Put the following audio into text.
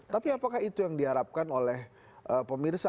tapi apakah itu yang diharapkan oleh pemirsa